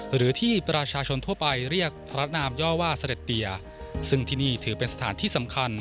หรือที่ประชาชนทั่วไปเรียกพระนามย่อว่าเสด็จเตียซึ่งที่นี่ถือเป็นสถานที่สำคัญ